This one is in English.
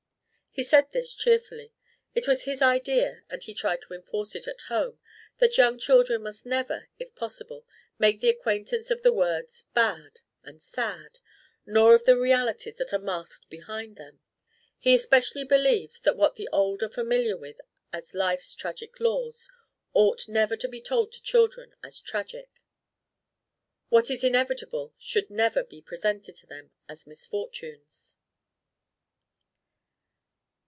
He said this cheerfully. It was his idea and he tried to enforce it at home that young children must never, if possible, make the acquaintance of the words bad and sad nor of the realities that are masked behind them. He especially believed that what the old are familiar with as life's tragic laws ought never to be told to children as tragic: what is inevitable should never be presented to them as misfortunes.